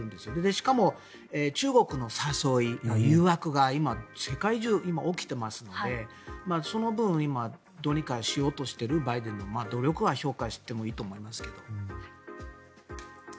しかも、中国の誘い、誘惑が今、世界中で起きていますのでその分、今どうにかしようとしているバイデンの努力は評価してもいいと思いますけど。